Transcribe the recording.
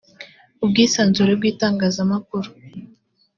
ubwisanzure bw’itangazamakuru